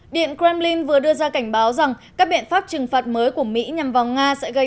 điện kremlin vừa đưa ra cảnh báo rằng các biện pháp trừng phạt mới của mỹ nhằm vào nga sẽ gây